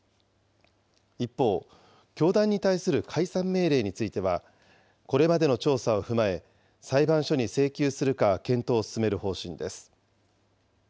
一方、教団に対する解散命令については、これまでの調査を踏まえ、裁判所に請求するか検討を進める方針です。